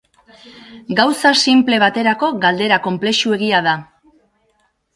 Gauza sinple baterako galdera konplexuegia da.